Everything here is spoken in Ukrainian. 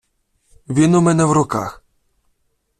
Він у мене в руках.